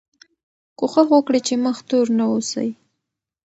کوښښ وکړئ چې مخ تور نه اوسئ.